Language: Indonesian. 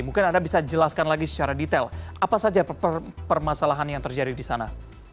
mungkin anda bisa jelaskan lagi secara detail apa saja permasalahan yang terjadi di sana